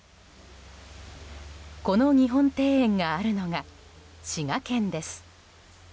この日本庭園があるのが滋賀県です。